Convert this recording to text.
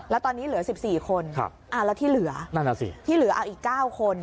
แล้วตอนนี้เหลือ๑๔คนแล้วที่เหลืออีก๙คน